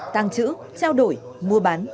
tàng trữ trao đổi mua bán